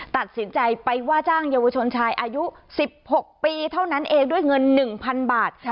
ตัดสินใจไปว่าจ้างเยาวชนชายอายุ๑๖ปีเท่านั้นเองด้วยเงิน๑๐๐๐บาท